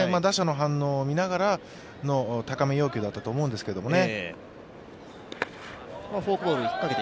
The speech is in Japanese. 打者の反応を見ながらの高め要求だったと思うんですけどね。